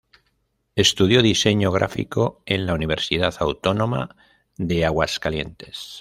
Estudió diseño gráfico en la Universidad Autónoma de Aguascalientes.